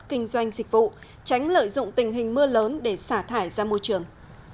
kinh doanh dịch vụ tránh lợi dụng tình hình mưa lớn để xả thải ra môi trường